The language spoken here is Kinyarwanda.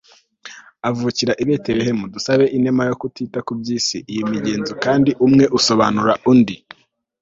avukira i betelehemu dusabe inema yo kutita ku by'isi. iyi migenzo kandi umwe usobanura undi